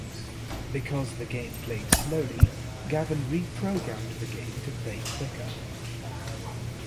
Because the game played slowly, Gavin reprogrammed the game to play quicker.